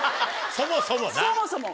そもそも。